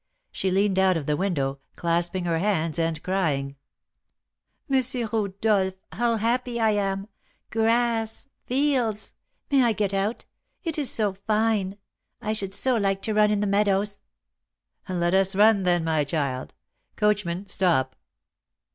She leaned out of the window, clasping her hands, and crying: "M. Rodolph, how happy I am! Grass! Fields! May I get out? It is so fine! I should so like to run in the meadows." "Let us run, then, my child. Coachman, stop."